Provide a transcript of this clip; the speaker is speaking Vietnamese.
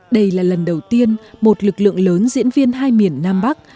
đây là lần đầu tiên một lực lượng lớn diễn viên hai miền nam bắc